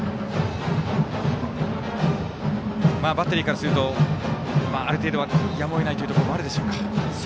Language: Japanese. バッテリーからするとある程度はやむをえないというところもあるでしょうか。